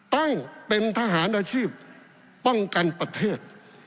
ต้องเป็นทหารอาชีพป้องกันประเทศ